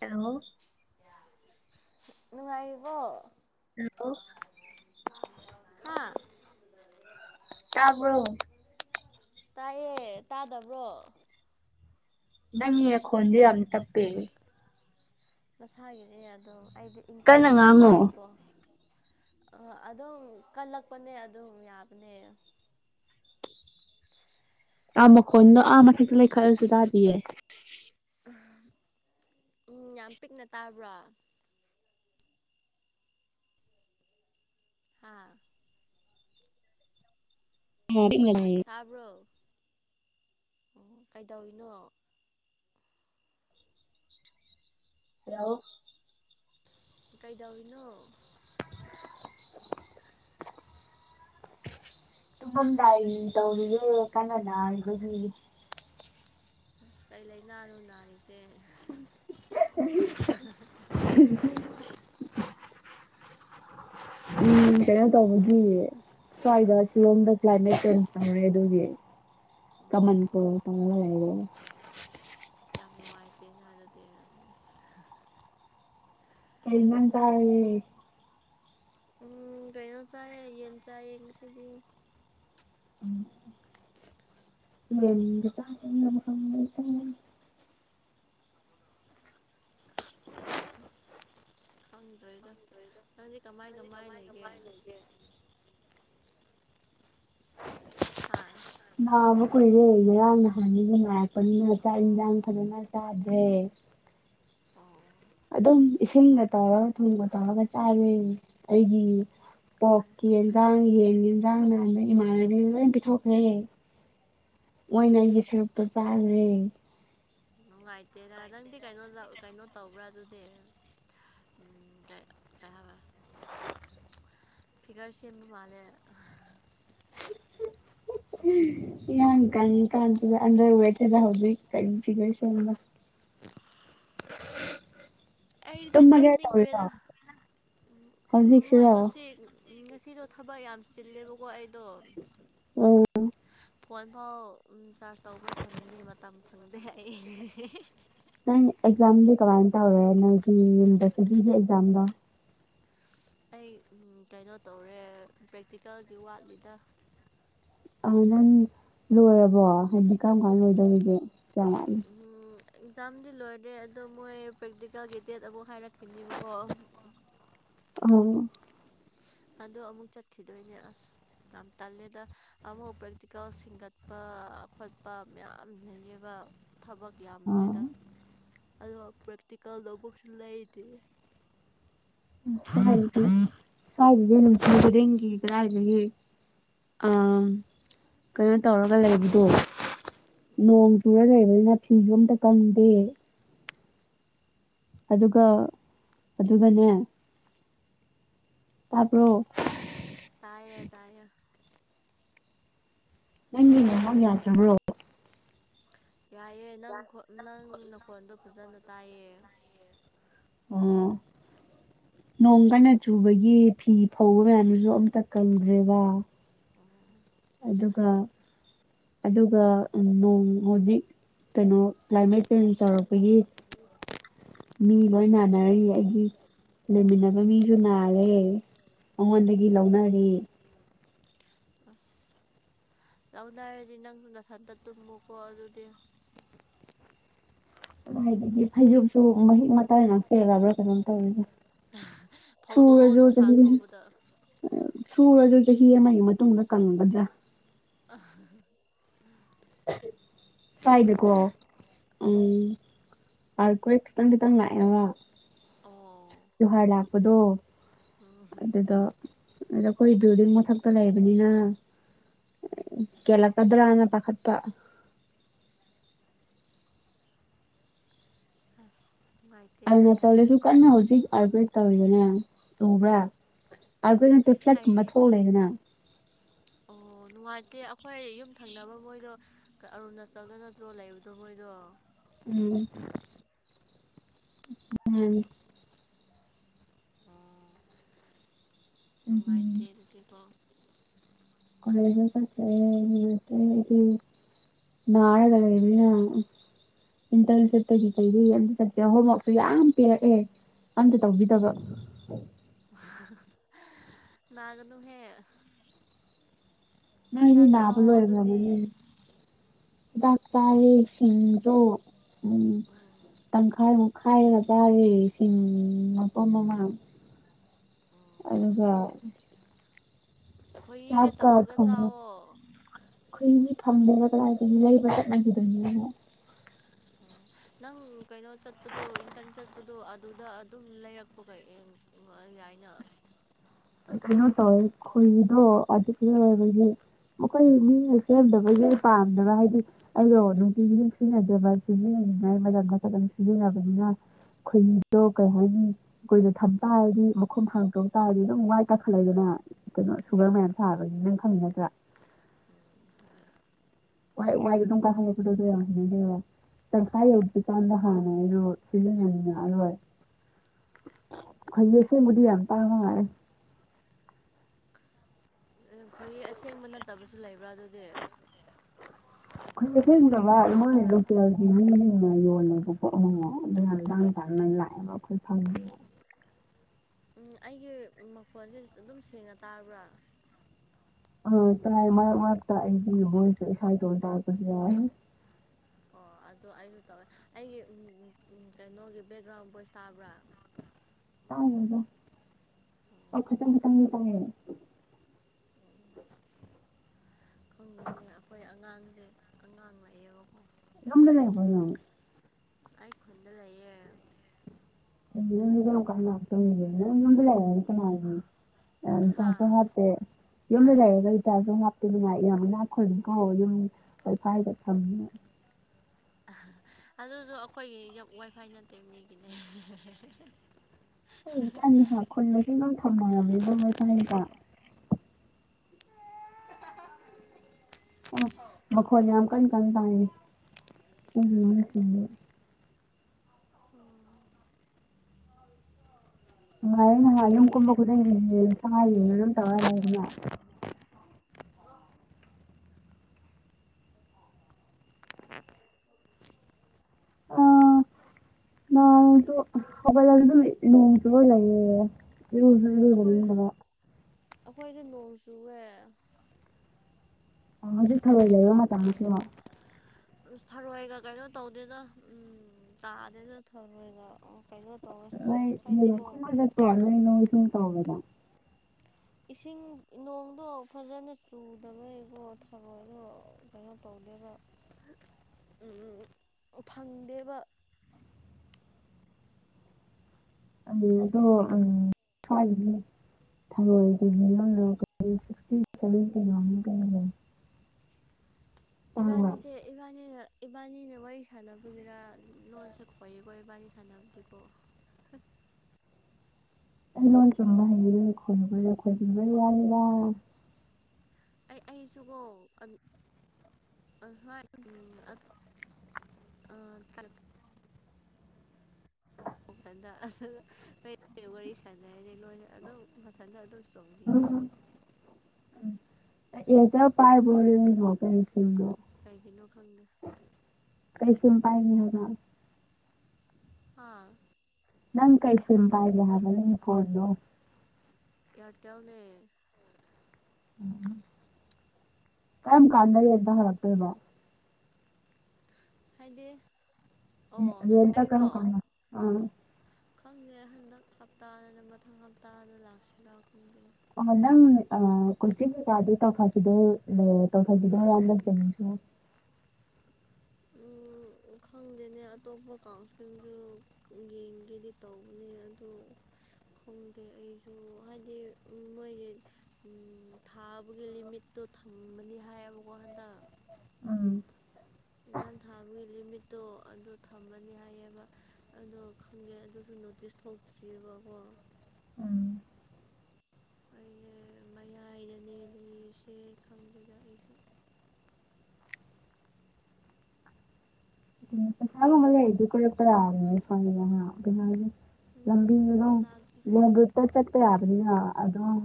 hello ꯅꯉꯔꯤꯕ hello ꯀ ꯇꯕ꯭ꯔ ꯇꯥꯏꯌꯦ ꯇꯥꯗꯕ꯭ꯔꯣ ꯅꯪ ꯈꯣꯟ ꯑ ꯊ ꯄꯦ ꯃꯁꯥꯒꯤꯅꯦ ꯑꯗꯣ ꯑꯩꯗꯤ ꯏꯪ ꯀꯟꯅ ꯉꯥꯡꯉꯣ ꯇꯞꯆꯕꯤꯅꯤꯅꯀꯣ ꯑ ꯑꯗꯨꯝ ꯀꯜꯂꯛꯄꯅꯦ ꯑꯗꯨꯝ ꯌꯥꯕꯅꯦ ꯑꯥ ꯃꯈꯣꯟꯗꯣ ꯑꯥ ꯃꯊꯛꯇ ꯂꯩꯈꯠꯂꯁꯨ ꯇꯥꯗꯤꯌꯦ ꯎꯝ ꯌꯥꯝ ꯄꯤꯛꯅ ꯇꯥꯕ꯭ꯔꯥ ꯍꯥꯥ ꯎꯝ ꯇꯥꯕ꯭ꯔꯣ ꯑꯣ ꯀꯩꯗꯧꯏꯅꯣ ꯍꯜꯂꯣ ꯀꯩꯗꯧꯏꯅꯣ ꯇꯨꯝꯃꯝꯗꯥꯏ ꯇꯧꯔꯤꯌꯦꯦ ꯀꯅ ꯍꯥꯏꯈꯒꯤ ꯑꯁ ꯀꯩ ꯂꯥꯏꯅꯥ ꯂꯨ ꯅꯥꯔꯤꯁꯦ [inaudible] ꯎꯝ ꯀꯩꯅꯣ ꯇꯧꯕꯒꯤ ꯁꯣ ꯍꯥꯏꯗ ꯁꯤ ꯂꯣꯝꯗ ꯀ ꯀ꯭ꯂꯥꯏꯃꯦꯠ ꯆꯦꯟꯖ ꯇꯃꯦ ꯑꯗꯨꯒꯤ ꯀꯃꯟ ꯑꯣ ꯀ ꯎꯝ ꯇ ꯂꯩꯒ ꯑꯁ ꯌꯥꯝ ꯅꯨꯡꯉꯥꯏꯇꯦꯅ ꯑꯗꯨꯗꯤ ꯀꯅꯟ ꯇꯔꯦ ꯎꯝ ꯀꯩꯅꯣ ꯆꯥꯏꯌꯦ ꯌꯦꯟ ꯆꯥꯏꯌꯦ ꯉꯁꯤꯗꯤ ꯌꯦ ꯆꯥ ꯇ ꯑꯁ ꯈꯪꯗ꯭ꯔꯦꯗ ꯅꯪꯗꯤ ꯀꯃꯥꯏ ꯀꯃꯥꯏ ꯂꯩꯒꯦ ꯍꯥ ꯂꯕ ꯀꯣꯏ ꯂꯩꯗ ꯌꯥꯝꯅ ꯍꯥꯏꯅꯤ ꯀ ꯄ ꯉ ꯆ ꯏꯟꯖꯥꯡ ꯑꯣ ꯐꯔꯅ ꯆꯗ꯭ꯔꯦ ꯑꯣ ꯑꯗꯨꯝ ꯏꯁꯤꯡꯒ ꯇꯧꯔꯒ ꯊꯨꯝꯒ ꯇꯧꯔꯒ ꯆꯥꯔꯨꯏ ꯑꯩꯒꯤ ꯄꯣꯛꯀꯤ ꯑꯁ ꯌꯦꯟꯖꯥꯡ ꯌꯦꯟ ꯌꯦꯟꯖꯥꯡ ꯅꯍꯥꯟꯗꯥ ꯏꯃꯥꯟꯅꯕꯤ ꯂꯣꯏ ꯄꯤꯊꯣꯛꯈ꯭ꯔꯦ ꯃꯣꯏꯅ ꯑꯩꯒꯤ ꯁꯔꯨꯛꯇ ꯆꯥꯈ꯭ꯔꯦ ꯅꯨꯡꯉꯥꯏꯇꯦꯔ ꯅꯪꯗꯤ ꯀꯩꯅꯣ ꯀꯩꯅꯣ ꯇꯧꯕ꯭ꯔꯥ ꯑꯗꯨꯗꯤ ꯎꯝ ꯀꯩ [unintelligible] ꯐꯤꯒꯔ ꯁꯦꯝ ꯁꯦꯝꯕ ꯃꯥꯂꯦ ꯌꯥꯡ ꯀꯟ ꯀꯥꯟꯗ ꯑꯗ꯭ꯔ ꯑꯣꯏꯋꯦꯠꯗ ꯍꯧꯗꯤ ꯀꯟꯁꯤꯒꯁ ꯑ ꯑꯩꯗꯤ ꯇꯨꯝꯃꯒꯦ ꯇꯧꯔꯤꯔꯣ ꯇꯨꯝꯅꯤꯡꯈ꯭ꯔꯦꯗ ꯎ ꯍꯣꯏ ꯍꯧꯖꯤꯛꯁꯤꯔꯣ ꯉꯁꯤ ꯉꯁꯤꯗꯣ ꯊꯕꯛ ꯌꯥꯝ ꯆꯤꯜꯂꯦꯕꯀꯣ ꯑꯩ ꯑꯣ ꯐꯣꯟ ꯐꯥꯎ ꯆꯥꯔꯖ ꯇꯧꯕ ꯁꯪꯗꯦ ꯃꯇꯝ ꯐꯪꯗꯦ ꯑꯩ ꯅꯪ ꯑꯦꯛꯖꯥꯝꯗꯤ ꯀꯃꯥꯏꯅ ꯇꯧꯔꯦ ꯅꯣꯏꯒꯤ ꯌꯨꯅꯤꯚꯔꯁꯤꯇꯤꯒꯤ ꯑꯦꯛꯖꯥꯝꯗꯣ ꯑꯩ ꯀꯩꯅꯣ ꯇꯧꯔꯦ ꯄ꯭ꯔꯦꯛꯇꯤꯀꯦꯜꯒꯤ ꯋꯥꯠꯂꯤꯗ ꯑ ꯅꯪ ꯂꯣꯏꯔꯕꯣ ꯍꯥꯏꯗꯤ ꯀꯔꯝ ꯀꯥꯟ ꯂꯣꯏꯗꯧꯔꯤꯒꯦ ꯀꯌꯥꯝ ꯋꯥꯠꯂꯤ ꯑꯦꯛꯖꯥꯝꯗꯤ ꯂꯣꯏꯔꯦ ꯑꯗꯣ ꯃꯣꯏ ꯄ꯭ꯔꯦꯛꯇꯤꯀꯦꯜꯒꯤ ꯗꯦꯠ ꯑꯃꯨꯛ ꯍꯥꯏꯔꯛꯈꯤꯅꯦꯕꯀꯣ ꯑꯣ ꯑꯗꯣ ꯑꯃꯨꯛ ꯆꯠꯈꯤꯗꯣꯏꯅꯦ ꯑꯁ ꯌꯥꯝ ꯇꯜꯂꯦꯗ ꯑꯃꯨꯛ ꯄ꯭ꯔꯦꯛꯇꯤꯀꯦꯜ ꯁꯤꯡꯒꯠꯄ ꯈꯣꯠꯄ ꯃꯌꯥꯝ ꯂꯩꯌꯦꯕ ꯊꯕꯛ ꯑꯥ ꯌꯥꯝꯃꯦꯗ ꯑꯗꯨꯒ ꯄ꯭ꯔꯦꯛꯇꯤꯀꯦꯜꯗ ꯅꯣꯠꯕꯨꯛꯁꯨ ꯂꯩꯗ꯭ꯔꯤ [unintelligible] ꯀꯗꯥꯏꯗꯒꯤ ꯑꯥ ꯀꯩꯅꯣ ꯇꯧꯔꯒ ꯂꯩꯕꯗꯣ ꯅꯣꯡ ꯆꯨꯔ ꯂꯩꯕꯅꯤꯅ ꯐꯤꯁꯨ ꯑ ꯑꯃꯝꯇ ꯀꯪꯗꯦ ꯑꯗꯨꯒ ꯑꯗꯨꯒꯅꯦ ꯇꯥꯔꯕꯣ ꯇꯥꯏꯌꯦ ꯇꯥꯏꯦ ꯅꯪ ꯃꯥꯥꯟ ꯌꯥꯇ ꯕ꯭ꯔꯣ ꯌꯥꯏꯑꯦ ꯅꯪ ꯅꯪ ꯅꯈꯣꯟꯜꯗꯣ ꯐꯖꯅ ꯇꯥꯏꯌꯦ ꯑꯣ ꯅꯣꯡ ꯀꯟꯅ ꯆꯨꯕꯒꯤ ꯐꯤ ꯐꯧꯕ ꯃꯌꯥꯝꯗꯨꯁꯨ ꯑꯝꯇ ꯀꯪꯗ꯭ꯔꯦꯕ ꯑꯗꯨꯒ ꯑꯗꯨꯒ ꯅꯣꯡ ꯍꯧꯖꯤꯛ ꯀꯩꯅꯣ ꯀ꯭ꯂꯥꯏꯃꯦꯠ ꯆꯦꯟꯖ ꯇꯧꯔꯛꯄꯒꯤ ꯃꯤ ꯂꯣꯏ ꯅꯥꯟꯅꯔꯤꯌꯦ ꯑꯩꯒꯤ ꯂꯩꯃꯤꯟꯅꯕ ꯃꯤꯁꯨ ꯅꯥꯔꯦ ꯃꯉꯣꯟꯗꯒꯤ ꯂꯧꯅꯔꯤ ꯑꯁ ꯂꯥꯎꯗꯥ ꯍꯥꯏꯔꯗꯤ ꯅꯪ ꯅꯊꯟꯗ ꯇꯨꯝꯃꯨꯀꯣ ꯑꯗꯨꯗꯤ ꯍꯥꯏꯗꯤ ꯐꯩꯖꯨꯞꯁꯨ ꯃꯍꯤꯛ ꯃꯇꯥꯏ ꯉ ꯆꯦꯜꯂꯕ꯭ꯔꯥ ꯀꯩꯅꯣꯝ ꯇꯧꯔꯤꯗ ꯐꯧꯗꯣꯛꯑꯣ ꯅꯨꯡꯁꯥ ꯊꯣꯛꯄꯗ ꯁꯨꯔꯁꯨ ꯆꯍꯤ ꯑꯃꯒꯤ ꯃꯇꯨꯡꯗ ꯀꯟꯒꯗ꯭ꯔꯥ [inaudible] ꯁꯨ꯭ꯏꯗꯀꯣ ꯎꯝ ꯑꯥꯔꯈꯣꯏ ꯈꯤꯇꯪ ꯈꯤꯇꯪ ꯂꯥꯛꯑꯦꯕ ꯖꯨꯍꯥꯔ ꯂꯥꯛꯄꯗꯣ ꯑ ꯑꯗꯣ ꯑꯩꯈꯣꯏ ꯕꯤꯜꯗꯤꯡ ꯃꯊꯛꯇ ꯂꯩꯕꯅꯤꯅ ꯀꯦꯜꯂꯛꯀꯗ꯭ꯔꯥꯅ ꯄꯥꯈꯠ ꯇꯥ ꯑꯁ ꯅꯨꯡꯉꯥꯏꯇꯦꯗ ꯑꯗꯨꯅ ꯌꯥꯝꯅ ꯆꯠꯂꯁꯨ ꯀꯟꯅ ꯍꯧꯖꯤꯛ ꯑꯥꯔꯚꯦ ꯇꯧꯔꯤꯗꯅꯦ ꯇꯕ꯭ꯔꯥ ꯑꯗꯨꯈ ꯅꯠꯇꯦ ꯐ꯭ꯂꯦꯠ ꯀꯨꯝꯕ ꯑꯩ ꯊꯣꯛꯂꯦꯗꯅ ꯀꯦ ꯑꯩꯈꯣꯏ ꯌꯨꯝ ꯊꯪꯅꯕ ꯃꯣꯏꯗꯣ ꯑꯔꯨꯅꯥꯆꯜꯗ ꯅꯠꯇ꯭ꯔꯣ ꯂꯩꯕꯗꯣ ꯃꯣꯏꯗꯣ ꯎꯝ ꯎꯝ ꯑ ꯅꯨꯡꯉꯥꯏꯇꯦ ꯑꯗꯨꯗꯤꯀꯣ ꯀꯂꯦꯖ ꯆꯠꯇꯦ ꯅꯨꯉꯥꯏꯇ꯭ꯔꯦ ꯑꯩꯗꯤ ꯅꯥꯔꯒ ꯂꯩ ꯏꯟꯇꯔꯟꯁꯤꯞꯇꯒꯤ ꯀꯩ ꯀꯩ ꯑꯝꯇ ꯆꯠꯀꯦ ꯍꯣꯝꯋꯛꯁꯨ ꯌꯥꯝ ꯄꯤꯔꯛꯑꯦ ꯑꯝꯇ ꯇꯧꯕꯤꯗꯕ ꯂꯅꯥꯒꯗꯨꯍꯦꯛ ꯅꯩꯗꯤ ꯅꯥꯕ ꯂꯣꯏꯔ ꯑꯗꯨꯗꯤ ꯗꯥꯛ ꯆꯔꯁꯤꯡꯁꯤꯡꯗꯣ ꯎꯝ ꯎꯝ ꯇꯪꯈꯥꯏ ꯈꯥꯏꯒ ꯆꯥꯔꯤ ꯏꯁꯤꯡ ꯃꯐꯝ ꯃꯃꯥꯡ ꯑꯣ ꯑꯗꯨꯒ ꯈꯣꯏꯍꯤꯒ ꯇꯧꯔꯒ ꯆꯥꯎꯋꯣ ꯑꯩꯈꯣꯏ ꯃꯤ ꯐꯝꯗꯕ ꯀꯗꯥꯏꯗꯅꯤ ꯂꯩꯕ ꯆꯠꯅꯈꯤꯗꯣꯏꯅꯦ ꯑꯣ ꯅꯪ ꯀꯩꯅꯣ ꯆꯠꯄꯗꯣ ꯏꯟꯇꯔꯟ ꯆꯠꯄꯗꯣ ꯑꯗꯨꯗ ꯑꯗꯨꯝ ꯂꯩꯔꯛꯄꯒꯩ ꯆꯥꯏꯅ ꯀꯩꯅꯣ ꯇꯧꯋꯦ ꯈꯣꯏꯍꯤꯗꯣ ꯑꯗꯨ ꯁꯤꯖꯤꯟꯅꯕꯒꯤ ꯃꯈꯣꯏ ꯃꯤꯅ ꯁꯦꯝꯗꯕꯒꯤ ꯑꯩ ꯄꯥꯝꯗꯕ ꯍꯥꯏꯗꯤ ꯑꯩꯗꯣ ꯅꯨꯡꯇꯤꯒꯤ ꯗꯨꯝ ꯁꯤꯖꯤꯟꯅꯗꯕ ꯑꯗꯨꯒꯤ ꯃꯔꯛ ꯃꯔꯛꯇ ꯑꯗꯨꯝ ꯁꯤꯖꯤꯟꯅꯕꯅꯤꯅ ꯈꯣꯏꯍꯤꯗꯣ ꯀꯩ ꯍꯥꯏꯅꯤ ꯀꯨꯏꯅ ꯊꯝ ꯇꯥꯔꯗꯤ ꯃꯈꯨꯝ ꯍꯥꯡꯗꯣꯛ ꯇꯥꯔꯗꯤ ꯑꯗꯨꯝ ꯋꯥꯏꯠ ꯀꯥꯈꯠꯂꯛꯏꯗꯅ ꯀꯩꯅꯣ ꯁꯨꯒꯔ ꯎꯝ ꯃꯌꯥꯝ ꯁꯥꯕꯅꯤ ꯅꯪ ꯈꯪꯉꯤ ꯅꯠꯇ꯭ꯔꯥ ꯎꯝ ꯋꯥꯏꯠ ꯋꯥꯏꯠ ꯑꯗꯨꯝ ꯀꯥꯈꯠꯂꯛꯄꯗꯣ ꯑꯗꯨ ꯌꯥꯝ ꯍꯩꯅꯗꯦꯕ ꯇꯪꯈꯥꯏ ꯌꯧꯗ꯭ꯔꯤ ꯀꯥꯟꯗ ꯍꯥꯟꯅ ꯑꯩꯗꯣ ꯁꯤꯖꯤꯟꯅꯅꯤꯡ ꯉꯛꯑꯥꯔꯣꯏ ꯈꯣꯏꯍꯤ ꯑꯁꯦꯡꯕꯗꯤ ꯌꯥꯝ ꯇꯥꯡꯕ ꯃꯥꯜꯂꯦ ꯈꯣꯏꯍꯤ ꯑꯁꯦꯡꯕ ꯅꯠꯇꯕꯁꯨ ꯂꯩꯕ꯭ꯔꯥ ꯑꯗꯨꯗꯤ [inaudible] ꯈꯣꯏꯍꯤ ꯑꯁꯦꯡꯕꯗꯣ ꯕꯥꯏ ꯃꯣꯏ ꯂꯣꯀꯦꯜꯒꯤ ꯃꯤꯁꯤꯡꯅ ꯌꯣꯜꯂꯦꯕꯀꯣ ꯑꯃꯨꯛ ꯃꯨꯛ ꯑꯗꯨ ꯌꯥꯝ ꯇꯥꯡꯅ ꯇꯥꯡꯅ ꯂꯥꯛꯑꯦꯕ ꯑꯩꯈꯣꯏ ꯐꯪꯗꯦꯕ ꯎꯝ ꯑꯩꯒꯤ ꯃꯈꯣꯜꯁꯤ ꯑꯗꯨꯝ ꯁꯦꯡꯅ ꯇꯥꯕ꯭ꯔꯥ ꯎꯝ ꯇꯥꯏ ꯃꯔꯛ ꯃꯔꯛꯇ ꯑꯩꯒꯤ ꯕꯣꯏꯁꯨ ꯏꯁꯥ ꯏꯇꯣꯟꯇ ꯇꯥꯔꯛꯄꯁꯨ ꯌꯥꯎꯏ ꯑꯣ ꯑꯗꯣ ꯑꯩꯁꯨ ꯇꯧꯋꯦ ꯑꯩꯒꯤ ꯎꯝ ꯀꯩꯅꯣꯒꯤ ꯕꯦꯛꯒ꯭ꯔꯥꯎꯟ ꯕꯣꯏꯁ ꯇꯥꯕ꯭ꯔꯥ ꯇꯥꯗꯦꯗꯥ ꯍꯣꯏ ꯈꯤꯇꯪꯗꯤ ꯇꯥꯏꯌꯦ ꯇꯥꯏꯌꯦ ꯑꯦ ꯑꯉꯥꯡ ꯂꯥꯛꯑꯕꯀꯣ ꯌꯨꯝꯗ ꯂꯩꯕ꯭ꯔꯣ ꯅꯪ ꯑꯩ ꯈꯨꯟꯗ ꯂꯩꯌꯦ ꯑꯗꯨꯗꯤ ꯅꯪ ꯀꯔꯝꯀꯥꯟꯗ ꯂꯥꯛꯇꯣꯔꯤꯒꯦ ꯅꯪ ꯌꯨꯝꯗ ꯂꯩꯔꯒ ꯀꯅꯥꯒꯤ ꯍꯥ ꯔꯤꯆꯥꯔꯁ ꯁꯨ ꯍꯥꯞꯇꯦ ꯌꯨꯝꯗ ꯂꯩꯔꯒ ꯔꯤꯆꯥꯔꯁꯁꯨ ꯍꯥꯞꯇꯦ ꯅꯨꯡꯉꯥꯏ ꯌꯥꯝ ꯏꯅꯥꯛ ꯈꯨꯜꯂꯤꯀꯣ ꯌꯨꯝ ꯋꯥꯏꯐꯥꯏꯒ ꯊꯝꯗꯅ ꯑꯗꯨꯁꯨ ꯑꯩꯈꯣꯏꯒꯤ ꯌꯨꯝ ꯋꯥꯏꯐꯥꯏ ꯅꯠꯇꯦ ꯃꯤꯒꯤꯅꯦ ꯑꯩꯖꯨ ꯈꯜꯂꯤꯅꯦ ꯈꯨꯜ ꯃꯁꯤꯡꯒꯤ ꯗꯨꯝ ꯊꯝꯅꯔꯕꯅꯤ ꯀꯩꯀꯥ ꯑ ꯃꯈꯣꯜ ꯌꯥꯝ ꯀꯟ ꯀꯟ ꯇꯥꯏꯌꯦ ꯎꯝ ꯅꯨꯉꯥꯏꯔꯦ ꯅꯨꯉꯥꯏꯔꯦ ꯌꯨꯝ ꯀꯨꯝꯕ ꯈꯨꯗꯤꯡꯒꯤ ꯔꯤꯜꯁ ꯇ ꯉꯥꯎꯔꯒ ꯗꯨꯝ ꯇꯧꯔꯒ ꯂꯩꯔꯗꯅ [inaudible] ꯑꯥ ꯅꯥꯔꯁꯨ ꯍꯧꯒꯠꯂꯒ ꯗꯨꯝ ꯅꯣꯡ ꯆꯨꯐꯧ ꯂꯩꯌꯦ ꯌꯨꯝꯗꯗꯤ ꯂꯩꯅꯤꯡꯗꯕ ꯑꯩꯈꯣꯏꯁꯨ ꯅꯣꯡ ꯆꯨꯋꯦ ꯍꯧꯖꯤꯛꯁꯤ ꯊꯥꯔꯣꯏ ꯂꯩꯕ ꯃꯥꯇꯝ ꯅꯠꯇ꯭ꯔꯣ ꯊꯔꯣꯏꯒ ꯀꯩꯅꯣ ꯇꯧꯗꯦꯗ ꯎꯝ ꯇꯥꯗꯦꯗ ꯊꯔꯣꯏꯒ ꯀꯩꯅꯣ ꯇꯧꯋꯦ ꯅꯣꯏ ꯊꯥꯔꯣꯏ ꯍꯥꯏꯗꯤꯀꯣ ꯈꯨꯟꯕꯒ ꯆꯠꯄꯔꯣ ꯅꯣꯏ ꯏꯁꯤꯡ ꯆꯥꯎꯕꯗ ꯏꯁꯤꯡ ꯅꯣꯡꯗꯣ ꯐꯖꯅ ꯆꯨꯗꯕꯩꯕꯣ ꯊꯔꯣꯏꯗꯣ ꯀꯩꯅꯣ ꯇꯧ ꯗꯕ [inaudible] ꯐꯪꯗꯦꯕ [inaudible] ꯊꯔꯣꯏꯗꯣ ꯎꯝ [inaudible] ꯇꯥꯡꯕ꯭ꯔꯥ ꯏꯕꯥꯅꯤꯁꯦ ꯏꯕꯥꯅꯤꯅ ꯏꯕꯥꯅꯤꯅ ꯋꯥꯔꯤ ꯁꯥꯟꯅꯕꯒꯤꯔ ꯂꯣꯟꯁꯦ ꯈꯣꯏꯌꯦꯀꯣ ꯏꯕꯥꯅꯤ ꯁꯥꯟꯅꯕꯗꯤꯀꯣ [inaudible] ꯑꯩ ꯂꯣꯟ ꯆꯨꯝꯕ ꯍꯩꯌꯦ ꯈꯣꯏꯔꯛꯄꯒꯤ ꯈꯣꯏꯖꯟꯕꯩ ꯋꯥꯅꯤꯗꯥ ꯑꯩ ꯑꯩꯁꯨꯀꯣ [inaudible] ꯑꯩꯗꯤ ꯋꯥꯔꯤ ꯁꯥꯟꯅꯔꯤꯗꯤ ꯂꯣꯏꯅ ꯑꯗꯨꯝ ꯃꯊꯟꯇ ꯑꯗꯨꯝ [inaudible] [inaudible] ꯀꯒꯤꯅꯣ ꯈꯪꯗꯦ ꯀꯩꯁꯝ ꯄꯥꯏꯅꯤ ꯍꯥꯏꯅ ꯍꯥꯥ ꯅꯪ ꯀꯩ ꯁꯤꯄ ꯍꯥꯏꯦ ꯍꯥꯏꯕ ꯌꯦꯔꯣ ꯑꯦꯌꯥꯔꯇꯦꯜꯅꯦ ꯀꯔꯝ ꯀꯥꯟꯗꯔꯤꯠꯇ ꯍꯔꯛꯇꯕꯣ ꯍꯥꯏꯗꯤ ꯑꯣ ꯦꯟꯇ ꯀꯅ ꯑꯩꯔꯣ ꯀ ꯑ ꯈꯪꯗꯦ ꯍꯟꯗꯛ ꯍꯞꯇꯥꯗꯅ ꯃꯊꯪ ꯍꯞꯇꯥꯗ ꯂꯥꯛꯁꯤꯔꯥ ꯈꯪꯗꯦ ꯑ ꯅꯪ ꯀꯣꯏꯆ ꯀꯩꯀꯥꯗꯨ ꯇꯧꯊꯈꯤꯗꯣ ꯂꯩ ꯇꯧꯊꯈꯤꯗꯣ ꯍꯔ ꯂꯧꯖꯉ ꯎ [unintelligible] ꯎꯝ ꯈꯪꯗꯦꯅꯦ ꯑꯇꯣꯞꯄ ꯀꯥꯎꯟꯁꯤꯂꯤꯡꯁꯨ ꯌꯦꯡꯒꯦꯗꯤ ꯇꯧꯕꯅꯦ ꯑꯗꯨ ꯈꯪꯗꯦ ꯑꯩꯁꯨ ꯍꯥꯏꯗꯤ ꯃꯣꯏꯒꯤ ꯊꯥꯕꯒꯤ ꯂꯤꯃꯤꯠꯇꯣ ꯣ ꯊꯝꯃꯅꯤ ꯍꯥꯏꯌꯦꯕꯀꯣ ꯍꯟꯗꯛ [inaudible] ꯑꯦꯛꯖꯥꯝ ꯊꯥꯕꯒꯤ ꯂꯤꯃꯤꯠꯇꯣ ꯑꯗꯨ ꯊꯝꯃꯅꯤ ꯍꯥꯏꯌꯦꯕ ꯑꯗꯣ ꯈꯪꯗꯦ ꯑꯗꯨꯁꯨ ꯅꯣꯇꯤꯁ ꯊꯣꯛꯇ꯭ꯑꯔꯤꯕꯀꯣ ꯎꯝ [inaudible] ꯀꯗꯅꯦ ꯂꯩꯔꯤꯁꯦ ꯈꯪꯗꯦꯗ ꯑꯩꯁꯨ ꯆꯥꯒ ꯃꯂ ꯏꯗꯨ ꯀꯂꯄꯗꯔ ꯐ ꯂꯕꯤ ꯎꯝ ꯌ ꯂꯥꯛꯀꯦ ꯂ ꯎ ꯇꯔ ꯇꯛꯄꯦ ꯑꯗꯨꯅ ꯑꯗꯨꯝ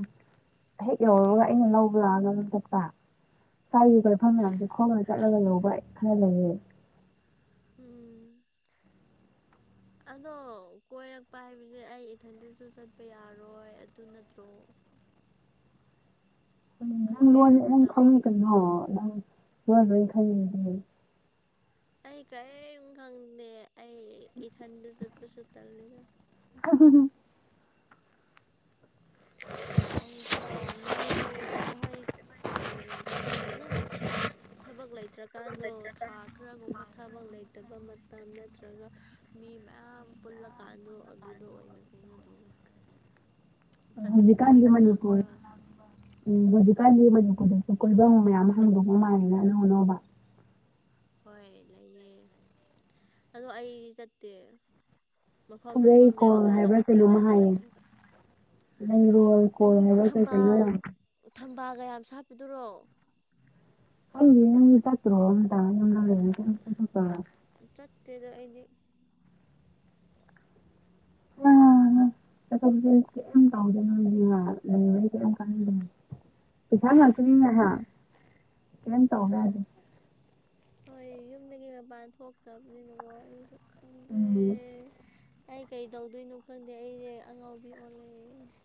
ꯍꯦꯛ ꯌꯧꯔꯒ ꯑꯩꯅ ꯂꯧꯕ ꯂꯥꯛꯑꯒ ꯑꯗꯨꯝ ꯆꯠꯄ ꯇꯥꯏꯔꯤꯕ ꯀꯐꯝ ꯃꯌꯥꯝꯁꯦ ꯈꯣꯡꯉ ꯆꯠꯂꯒ ꯂꯧꯕ ꯑꯩ ꯈꯔ ꯂꯩꯌꯦ ꯎꯝ [unintelligible] ꯑꯗꯣ ꯀꯣꯏꯔꯛꯄ ꯍꯥꯏꯕꯁꯦ ꯑꯩ ꯏꯊꯟꯇꯁꯨ ꯆꯠꯄ ꯌꯥꯔꯣꯏ ꯑꯗꯨ ꯅꯠꯇ꯭ꯔꯣ [inaudible] ꯑꯗꯣ ꯅꯪꯣꯏ ꯅꯪ ꯃꯇꯝ ꯈꯪꯉ ꯀꯩꯅꯣ ꯅꯪ ꯂꯣꯏ ꯂꯣꯏ ꯈꯪꯉ ꯑꯩ ꯀꯔꯤꯝ ꯈꯪꯗꯦ ꯑꯩ ꯏꯊꯟꯗ ꯆꯠꯄꯁꯨ ꯇꯜꯂꯦꯗ ꯎꯝ ꯑꯩꯀꯣ ꯃꯤ ꯍꯣꯏ ꯎ ꯑꯗꯨꯝ ꯊꯕꯛ ꯂꯩꯇ꯭ꯔꯀꯥꯟꯗꯣ ꯊꯥ ꯈꯔꯒꯨꯝꯕ ꯊꯕꯛ ꯂꯩꯇꯕ ꯃꯇꯝ ꯅꯠꯇ꯭ꯔꯒ ꯃꯤ ꯃꯌꯥꯝ ꯄꯨꯜꯂꯀꯥꯟꯗꯣ ꯑꯗꯨꯗ ꯑꯣꯏꯅ ꯀꯩꯅꯣ ꯇꯧꯋꯦ [inaudible] ꯍꯧꯖꯤꯀꯥꯟꯗ ꯃꯅꯤꯄꯨꯔ ꯂꯥꯡꯕ ꯎ ꯍꯧꯖꯤ ꯀꯥꯟꯗꯤ ꯃꯅꯤꯄꯨꯔꯗꯁꯨ ꯀꯣꯏꯐꯝ ꯃꯌꯥꯝ ꯍꯥꯡꯗꯣꯛꯄ ꯃꯥꯜꯂꯦꯅ ꯑꯅꯧ ꯑꯅꯧꯕ ꯍꯣꯏ ꯂꯩꯑꯦ ꯑꯗꯣ ꯑꯩ ꯆꯠꯇꯦ ꯃꯐꯝꯁꯨ ꯈꯪꯗꯦ ꯄꯨꯔꯩꯀꯣꯜ ꯀꯅꯥꯒ ꯍꯥꯏꯕ꯭ꯔꯥ ꯆꯠꯇꯣꯏꯅꯣꯁꯨ ꯂꯩꯔꯦ ꯅ ꯔꯣꯜ ꯀꯣꯜ ꯍꯥꯏꯕ ꯀꯩ ꯀꯩꯅꯅ ꯊꯝꯕꯥꯜꯒꯌꯥꯝ ꯁꯥꯠꯄꯗꯨꯔꯣ ꯑꯩ ꯌꯦꯇꯔꯣ ꯎꯝ ꯇꯠꯇꯗꯣ ꯑꯥꯗꯤ ꯑꯥ ꯆꯠꯝ ꯀꯥꯎꯗꯅ ꯆ ꯑꯃ ꯀꯥꯟꯗꯥ ꯄꯩꯁꯥ ꯉꯛꯇꯅꯤ ꯍꯥ ꯀꯝ ꯇꯧꯒꯗ ꯍꯣꯏ ꯌꯨꯝꯗꯒꯤ ꯃꯄꯥꯟ ꯊꯣꯛꯇꯕꯅꯤꯅꯀꯣ ꯑꯩꯁꯨ ꯈꯪꯗꯦ ꯎꯝ ꯑꯩ ꯀꯩ ꯇꯧꯗꯣꯏꯅꯣ ꯈꯪꯗꯦ ꯑꯩꯁꯦ ꯑꯉꯥꯎꯕꯤ ꯑꯣꯜꯂꯛꯦ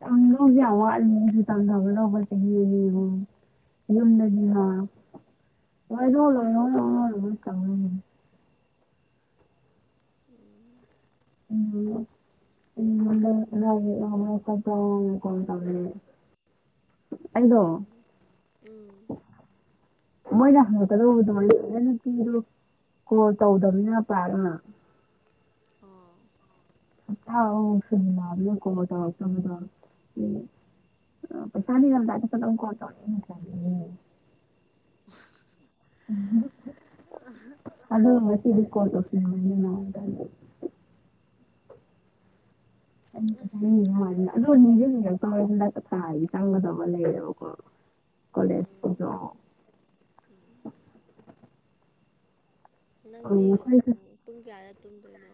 ꯌꯥꯝ ꯅꯪꯗꯤ ꯌꯥꯝꯅ ꯋꯥꯠꯂꯤꯅ ꯗꯨꯗꯤ ꯇꯝꯅꯒꯧꯗꯕ ꯆꯍꯤ ꯑꯃ ꯍꯦꯜꯂꯅꯤ ꯌꯨꯝꯅꯗꯤꯅ ꯂꯣꯏꯔꯣ ꯂꯣꯏꯔꯣ ꯂꯥꯛꯔꯅꯨ ꯇꯝꯅꯤꯌꯦ ꯎꯝ [unintelligible] ꯎꯝ ꯅꯪ ꯅꯪꯃꯨꯛ ꯍꯜꯂꯛꯑ ꯐꯠ ꯇꯧꯔꯛꯑꯣ ꯀꯣꯟꯅ ꯇꯧꯔꯒꯦ ꯎꯝ ꯎꯝ ꯃꯣꯏꯅ ꯍꯪꯂꯛꯀꯗꯨꯕꯗꯨꯃꯥꯏ ꯍꯦꯟ ꯇꯤꯟꯖꯤꯜꯂꯨ ꯀꯣꯜ ꯇꯧꯗꯕꯅꯤꯅ ꯄꯥꯛꯅ ꯑꯣ ꯍꯞꯊꯥ ꯑꯍꯨꯝꯃꯨꯛꯁꯨ ꯅꯨꯡꯉꯥꯏꯕꯅꯤ ꯀꯣꯜ ꯑꯣꯏ ꯇꯧꯔꯛꯇꯣꯔꯕꯅꯤꯅ ꯎꯝ ꯑ ꯄꯩꯁꯥ ꯅꯤꯔꯝꯗꯥꯏꯗꯗꯪ ꯀꯣꯜ ꯇꯧꯔꯛꯑꯦ ꯃꯤꯗꯨ ꯃꯆꯥꯗꯤꯅ ꯎꯁ [unintelligible] ꯑꯩꯃꯨꯛ ꯀꯣꯜ ꯇꯣꯁꯤꯟꯕꯅꯤꯅ [unintelligible] ꯑꯁ ꯇꯨꯝꯕ ꯍꯦꯛꯇ ꯍꯧꯔꯗꯤ ꯃꯅꯥꯛꯇ ꯊꯥꯔꯗꯤ ꯆꯪꯒꯗꯕ ꯂꯩꯌꯦꯕ ꯀꯣ ꯀꯣꯂꯦꯁ ꯇꯖꯨ ꯎꯝ ꯎꯝ ꯅꯪꯗꯤ ꯄꯨꯡ ꯀꯌꯥꯗ ꯇꯨꯝꯗꯣꯏꯅꯣ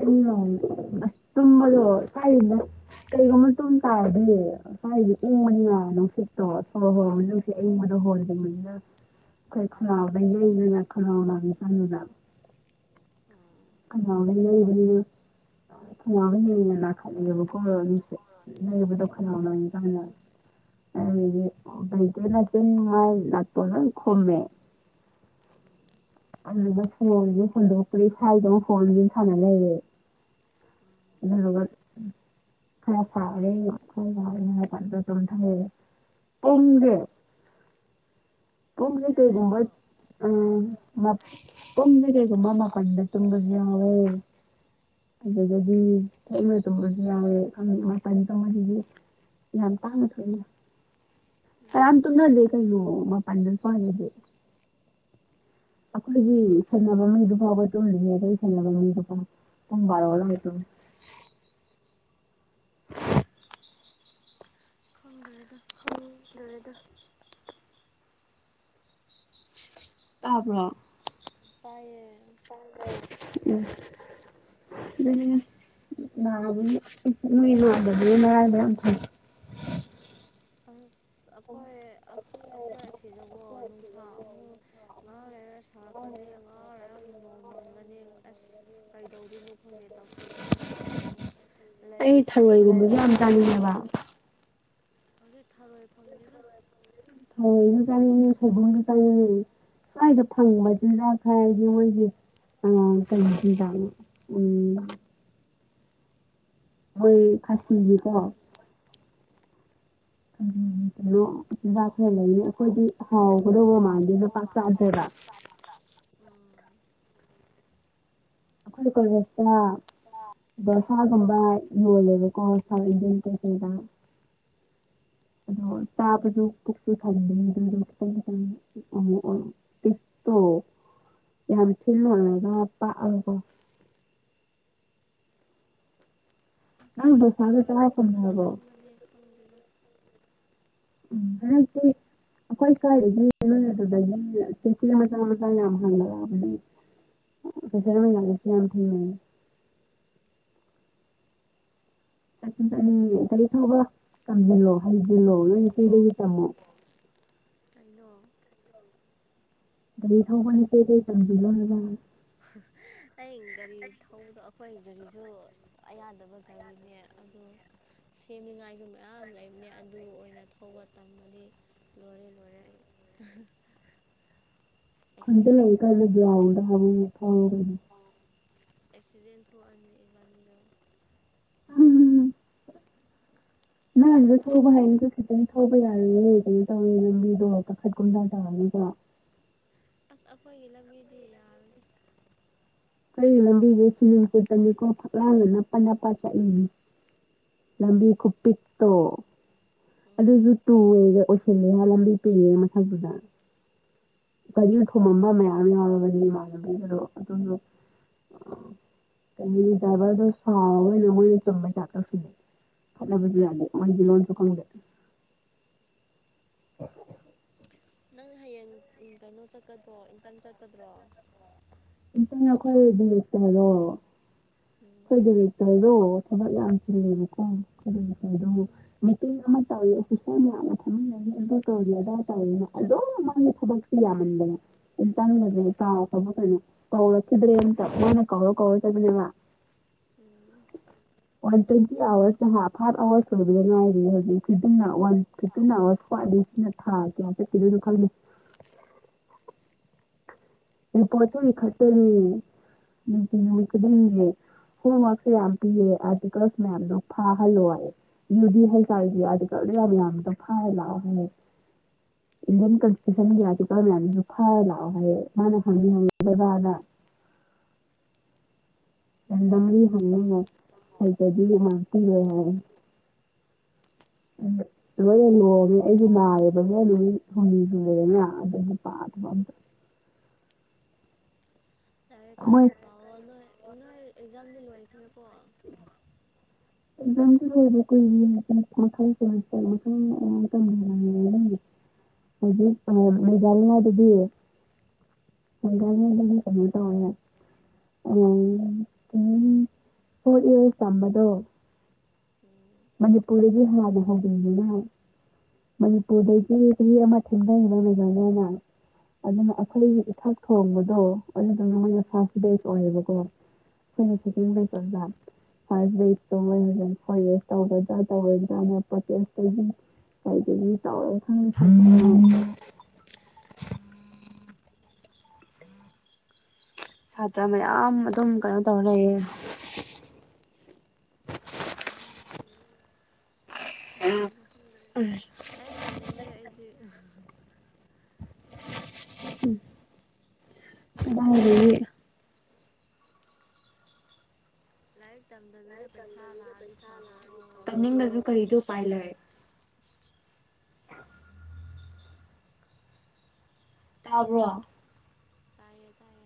ꯑꯩꯗꯤ ꯅꯥꯔꯤ ꯑꯥꯏ ꯎꯝ ꯇꯨꯝꯕꯔꯣ ꯀꯥꯏꯗꯩꯅꯣ ꯀꯩꯒꯨꯝꯕ ꯇꯨꯝ ꯇꯥꯔꯗꯤ ꯍꯥꯏꯗꯤ ꯎꯝ ꯏꯪꯕꯅꯤꯅ ꯅꯨꯡꯁꯤꯠꯇꯣ ꯁꯣꯔ ꯍꯣꯟꯕꯗ ꯅꯨꯡꯁꯤꯠ ꯑꯏꯪꯕꯗꯣ ꯍꯣꯜꯂꯦ [unintelligible] ꯑꯧ [unintelligible] [unintelligible] ꯑ ꯩꯗꯤ ꯅꯨꯡꯇꯤ ꯂꯥꯛꯇꯣꯏꯅꯤꯉꯥꯏ ꯂꯥꯛꯄꯗꯪ ꯈꯨꯝꯃꯦ ꯎꯝ ꯑꯗꯨꯗꯨꯗ ꯐꯣꯟꯖꯨ ꯄꯨꯟꯗꯣꯛ ꯇ꯭ꯔꯤ ꯍꯥꯏꯕꯒꯤ ꯐꯣꯟꯗꯨꯝ ꯁꯥꯟꯅ ꯂꯩꯔꯦ [unintelligible] [unintelligible] ꯑꯩ ꯏꯪꯗꯦ [unintelligible] ꯎꯝ ꯀꯩ ꯐꯍꯟꯅꯤꯡꯕꯩ ꯍꯥꯏꯕꯅꯣ ꯇꯨꯃꯤꯟꯅꯖꯤ ꯂꯥꯋꯣ [unintelligible] ꯌꯥꯝ ꯄꯥꯛꯅ ꯊꯣꯛꯑꯦꯗ ꯀꯅꯥꯝ ꯎꯝ ꯇꯨꯝꯅꯗꯦ ꯀꯩꯅꯣ ꯃꯄꯥꯟ ꯂꯨꯄꯥꯟꯗꯗꯤ ꯑꯩꯈꯣꯏꯒꯤ ꯁꯦꯟꯅꯕ ꯃꯤꯗꯨ ꯐꯥꯎꯕ ꯇꯨꯝꯂꯤꯕꯅꯦ ꯑꯩꯈꯣꯏ ꯁꯦꯟꯅꯕ ꯃꯤꯗꯨ ꯐꯥꯎ ꯄꯨꯡ ꯚꯥꯔꯣꯗꯒ ꯇꯨꯝꯃꯦ ꯈꯪꯗ꯭ꯔꯦꯗ ꯗ꯭ꯔꯦꯗ ꯇꯥꯕ꯭ꯔꯣ ꯇꯥꯏꯌꯦ ꯎꯝ ꯑꯗꯨꯗꯤ ꯅꯥꯔꯨꯕꯒꯤ ꯃꯤ ꯂꯣꯏꯔꯝꯗꯕꯒꯤ ꯃꯔꯥꯏꯕꯛ ꯌꯥꯝ ꯐꯩ ꯑꯁ ꯑꯈꯣꯏ ꯑ ꯑꯈꯣꯏ ꯑꯁꯤꯗꯕꯨ ꯅꯨꯡꯁꯥ ꯑꯃꯨꯛ ꯉꯥꯛ ꯂꯩ ꯍꯦ ꯁꯥꯔꯛꯀꯅꯤ ꯉꯥꯛ ꯂꯩꯔ ꯃꯨꯛ ꯅꯣꯡ ꯃꯪꯒꯅꯤ ꯑꯁ ꯀꯩꯗꯧꯗꯣꯏꯅꯣ ꯈꯪꯗꯦ ꯇꯧꯐꯝ ꯂꯥꯛꯐꯝ ꯈꯪꯗꯦꯕ ꯑꯩ ꯂꯩꯕꯁꯨ ꯊꯔꯣꯏꯒꯨꯝꯕꯁꯨ ꯌꯥꯝ ꯅꯨꯡꯉꯥꯏꯇꯦꯕ ꯆꯥꯅꯤꯡꯉꯦꯕ ꯍꯨꯖꯤꯛ ꯊꯔꯣꯏ ꯐꯪꯗꯦꯗ ꯊꯔꯣꯏꯖꯨ ꯆꯥꯅꯤꯡꯉꯦ ꯈꯖꯤꯡꯖꯨ ꯆꯥꯅꯤꯡꯉꯦ ꯁ꯭ꯋꯥꯏꯗ ꯐꯪꯕ ꯆꯤꯟꯖꯥꯛ ꯍꯥꯏꯔꯗꯤ ꯃꯣꯏꯒꯤ ꯑꯣ ꯀꯩ ꯆꯤꯟꯖꯥꯛꯅꯣ ꯎꯝ ꯑꯩꯣꯏ ꯐꯥꯁꯤꯒꯤꯀꯣ ꯑꯗꯨꯣ ꯆꯤꯖꯥꯛ ꯍꯦꯜꯂꯅꯤ ꯑꯩꯈꯣꯏꯗꯤ ꯍꯥꯎꯒꯗꯧꯕ ꯃꯥꯟꯗꯦ ꯂ ꯄꯥꯛ ꯆꯥꯗꯦꯕ ꯎꯝ ꯀꯣꯏ ꯀꯣꯏ ꯔꯁꯔꯥ ꯣꯁꯥꯒꯨꯝꯕ ꯌꯣꯜꯂꯦꯕꯀꯣ ꯁꯥꯎꯠ ꯏꯟꯗꯤꯌꯥꯟ ꯀꯩꯁꯩꯗ ꯑꯗꯣ ꯇꯥꯕꯁꯨ ꯀꯛꯁꯨ ꯊꯟꯗꯅꯤ ꯑꯗꯨꯗꯣ ꯈꯤꯇꯪ ꯈꯤꯇꯪ ꯇꯣ ꯌꯥꯝ ꯊꯤꯜ ꯂꯔꯒ ꯄꯥꯛꯑꯀꯣ ꯑꯁ ꯅꯪ ꯑꯩꯁꯨ ꯗꯣꯁꯥꯗꯣ ꯊꯧꯔꯣꯏ ꯆꯥꯕ ꯊꯤꯟꯕ ꯐꯪꯅꯔꯕꯣ ꯆꯠꯅꯤꯡꯕꯅꯦ ꯈꯪꯗꯦꯗ ꯎ ꯑꯩꯈꯣꯏ ꯁ꯭ꯋꯥꯏꯗꯒꯤꯣꯏ ꯑꯗꯨꯗꯒꯤ ꯆꯤꯆꯤ ꯃꯆꯥ ꯃꯆꯥ ꯌꯥꯝ ꯍꯪꯕꯂꯛꯑꯕꯅꯤ ꯐꯁꯁꯤ ꯌꯥꯅ ꯊꯅ ꯀꯔꯤ ꯀꯔꯤ ꯊꯧꯕ ꯀꯪꯁꯤꯜꯂꯣ ꯍꯥꯏ ꯏ ꯂꯣ ꯀꯤꯗ ꯀꯤꯇꯃꯣ ꯑꯩꯗꯣ ꯗ ꯊꯥꯎ ꯍꯅꯤ ꯆ ꯆꯪꯕꯤ ꯂ [inaudible] ꯑ ꯒꯥꯔꯤ ꯊꯧꯕꯗꯣ ꯑꯩꯈꯣꯏ ꯒꯥꯔꯤꯁꯨ ꯑꯌꯥꯗꯕ ꯒꯥꯔꯤꯅꯦ ꯑꯗꯨ ꯁꯦꯝꯅꯤꯉꯥꯏꯒꯤ ꯃꯌꯥꯝ ꯂꯩꯕꯅꯦ ꯑꯗꯨ ꯑꯣꯏꯅ ꯊꯧꯕ ꯇꯝꯕꯗꯤ ꯂꯣꯔꯦ ꯂꯣꯔꯦ ꯑꯩ [inaudible] ꯈꯨꯟꯗꯥ ꯑꯦꯛꯁꯤꯗꯦꯟ ꯂꯩꯔꯤꯀꯅꯗꯎ ꯍꯥꯏꯕ ꯐ ꯀꯗꯤ ꯑꯦꯛꯁꯤꯗꯦꯟ ꯍꯅꯤꯕꯥꯅꯤꯗ ꯅꯗ ꯊꯧꯕ ꯍꯥꯏꯅꯁꯨ ꯈꯤꯇꯪ ꯊꯧꯕ ꯌꯥꯔꯅꯦ ꯀꯩꯅꯣ ꯇꯧꯔꯅꯤ ꯂꯝꯕꯤꯗꯣ ꯀꯥꯈꯠꯀꯨꯝꯗꯥ ꯇꯧꯔꯅꯤꯀꯣ [inaudible] ꯑꯁ ꯑꯩꯈꯣꯏꯒꯤ ꯂꯝꯕꯤꯗꯤ ꯌꯥꯔꯗꯦ ꯀꯔꯤ ꯂꯝꯕꯤꯁꯦ ꯁꯤꯖ ꯆꯦꯠꯇꯅꯤꯀꯣ ꯐꯛꯂꯥꯡꯗ ꯅꯄꯥꯛ ꯅꯄꯥ ꯆꯠꯏꯅꯤ ꯂꯝꯕꯤ ꯀꯄꯤꯛꯛꯇꯣ ꯎꯝ ꯑꯗꯨꯁꯨ ꯇꯨꯨꯔꯦꯒ ꯑꯣꯏꯁꯤꯜꯂꯦ ꯂꯝꯕꯤ ꯄꯤꯌꯦꯦ ꯃꯊꯛꯇꯨꯗ ꯀꯔꯤ ꯊꯣꯃꯝꯕ ꯃꯌꯥꯝ ꯌꯥꯎꯔꯕꯅꯤ ꯏꯃꯥꯟꯅꯕꯤꯗꯨꯗꯣ ꯑꯗꯨꯁꯨ ꯀ ꯇꯕꯗ ꯁꯋꯥꯏ ꯅꯣꯏ ꯆꯃꯃꯦ ꯆꯀꯥ ꯐꯅꯤ ꯐꯂꯕꯗ ꯃꯥ ꯂꯣꯟꯣꯟ ꯆ ꯅꯪ ꯍꯌꯦꯡ ꯀꯩꯅꯣ ꯆꯠꯀꯗ꯭ꯔꯣ ꯏꯟꯇꯔꯟ ꯆꯠꯀꯗ꯭ꯔꯣ ꯇꯪ ꯑꯩꯈꯣꯏꯗꯤꯛꯇꯔꯣ ꯎꯝ ꯈꯣꯏꯗꯔꯤꯛꯇꯜꯗꯣ ꯊꯕꯛ ꯌꯥꯝ ꯎꯝ ꯆꯤꯜꯂꯦꯕꯀꯣ ꯈꯣꯏꯗꯧꯔꯤꯛꯇꯗꯣ ꯎꯝ ꯃꯤꯇꯩ ꯑꯃ ꯇꯧꯔꯤ ꯑꯣꯐꯤꯁꯥꯔ ꯃꯌꯥꯝꯒ ꯐꯝꯃꯤꯟꯅꯔꯤ ꯑꯗꯨ ꯇꯧꯔꯤ ꯑꯗꯥꯏ ꯇꯧꯔꯤꯅ ꯑꯗꯨꯝ ꯃꯥꯒꯤ ꯊꯕꯛꯁꯦ ꯌꯥꯝꯃꯟꯗꯅ ꯏꯇꯪꯖꯦ ꯀꯥꯎ ꯐꯕꯨ ꯀꯩꯅꯣ ꯀꯧꯜꯁꯗ꯭ꯔꯔꯤ ꯑꯦꯇ ꯃꯥꯅꯦ ꯀꯧꯥꯎ ꯀꯁꯗꯅ ꯎꯝ ꯋꯥꯟ ꯇ꯭ꯋꯦꯟꯇꯤ ꯑꯋꯥꯔ ꯍꯥ ꯍꯥ ꯑꯋꯥꯔꯁ ꯑꯣꯏꯕꯗ ꯉꯥꯏꯔꯤ ꯍꯧꯖꯤꯛ ꯐ ꯋꯥ ꯐꯤꯇꯤꯟ ꯑꯋꯥꯔ ꯅ ꯊꯥ ꯀ ꯐ ꯀꯗ ꯈ ꯅ ꯄꯣꯊꯣꯒꯤ ꯎꯝ ꯈꯇꯔꯀꯗꯦ ꯍꯣꯝꯋꯔꯛꯁ ꯃ ꯌꯥꯝ ꯄꯤꯔꯦ ꯑꯥꯔꯇꯤꯀꯜꯁ ꯃꯌꯥꯝꯗꯣ ꯐꯥꯍꯜꯂꯣ ꯍꯥꯏ ꯌꯨꯗꯤ ꯍꯀꯒꯤ ꯑꯥꯔꯇꯤꯀꯜ ꯂꯕ ꯌꯥꯝꯅꯗ ꯐꯔ ꯂꯥꯎ ꯍꯥꯏꯦ ꯏꯟꯗꯤꯌꯟ ꯀꯣꯟꯁꯇꯤꯇꯨꯁꯟ ꯃꯌꯥꯝꯁꯨꯐ ꯂꯑꯣ ꯍꯥꯏꯦ ꯃꯥꯅ ꯍꯗꯕꯥꯗ ꯗꯪꯔꯤ ꯍ ꯑꯩꯀꯖꯤꯃꯥꯟꯇ ꯍꯥꯏ ꯂꯣꯏꯅ ꯂꯣꯡꯉꯦ ꯑꯩꯁꯨ ꯅꯥꯔꯦꯕ ꯃꯣꯏ ꯑꯗꯨꯝ ꯍꯅꯤꯅꯗꯅ ꯄꯥꯇꯗ ꯌꯥꯔꯦ ꯃꯣꯏ ꯀꯟꯅ ꯄꯥꯎꯑꯣ ꯅꯣꯏ ꯅꯣꯏ ꯑꯦꯛꯖꯥꯝꯗꯤ ꯂꯣꯏꯈ꯭ꯔꯦꯀꯣ ꯑꯦꯛꯖꯥꯝꯗ ꯂꯣꯏꯕ ꯀꯨꯏ ꯃꯈꯈꯥꯏ ꯀ ꯃꯊꯪ ꯃꯇꯝꯦꯝꯒꯤ ꯍꯧ ꯑ ꯃꯗꯥꯅ ꯑꯗꯨꯗꯤ ꯍꯒꯅꯤ ꯎꯝ ꯀꯅ ꯇ ꯑꯣ ꯎ ꯍ ꯇꯝꯕꯗꯣ ꯎꯝ ꯃꯅꯤꯄꯨꯔꯔꯤꯒꯤ ꯍꯋꯥꯅꯤ ꯍꯧꯒꯅ ꯃꯅꯤꯄꯨꯔꯗꯩ ꯀ ꯀ ꯑꯃ ꯊꯦꯡꯅꯕ ꯃꯒꯅꯅ ꯑꯗꯨꯅ ꯎꯝ ꯑꯩꯈꯣꯏꯒꯤ ꯏꯛ ꯊꯣꯡꯕꯗꯣ ꯑꯣꯏꯅꯗꯅ ꯃꯣꯏꯅ ꯎꯝ ꯐꯔꯁꯗꯦꯁ ꯑꯣꯏꯌꯦꯕꯀꯣ ꯎꯝ ꯐꯣꯏꯅꯁꯨꯤꯡꯕꯀꯥ ꯐꯥ ꯁꯨ ꯃꯖ ꯍꯣꯏ ꯇꯧꯔꯗ ꯇ ꯑꯣꯏꯔꯗꯄꯥ ꯀꯌꯥꯁꯇ ꯇꯥꯏꯗ ꯇꯋꯥꯏꯈ ꯁꯥꯇ꯭ꯔ ꯃꯌꯥꯝ ꯑꯗꯨꯝ ꯀꯩꯅꯣ ꯇꯧꯔ ꯂꯩꯌꯦ ꯎꯝ ꯑꯁ ꯈꯪꯗ꯭ꯔꯦꯒ ꯑꯩ ꯇꯝꯅꯤꯡꯗ꯭ꯔꯦ ꯑꯩꯗꯤ ꯑꯦ ꯂꯥꯏ ꯇꯝꯅꯤꯡꯕꯁꯨ ꯀꯔꯤꯗꯤ ꯎꯄꯥꯏ ꯂꯩ ꯇꯥꯕ꯭ꯔ ꯇꯥꯏꯦ ꯇꯥꯏ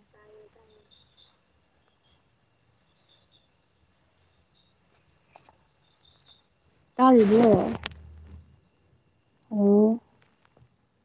ꯇꯥꯜꯔꯤꯕꯣ ꯑꯣ